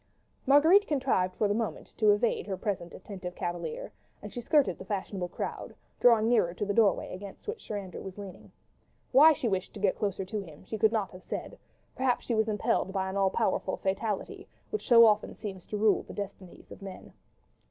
Marguerite contrived for the moment to evade her present attentive cavalier, and she skirted the fashionable crowd, drawing nearer to the doorway, against which Sir Andrew was leaning. Why she wished to get closer to him, she could not have said: perhaps she was impelled by an all powerful fatality, which so often seems to rule the destinies of men.